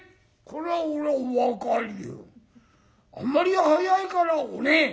『あんまり早いからお寝え』。